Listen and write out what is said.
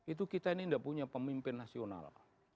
itu kita ini tidak punya pemimpin nasional